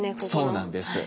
そうなんです。